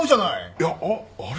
いやああれ？